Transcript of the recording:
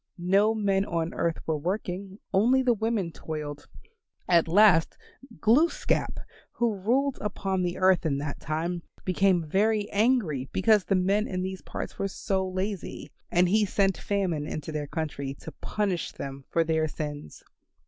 No men on earth were working; only the women toiled. At last, Glooskap, who ruled upon the earth in that time, became very angry because the men in these parts were so lazy, and he sent Famine into their country to punish them for their sins.